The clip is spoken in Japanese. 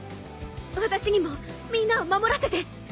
私にもみんなを守らせて。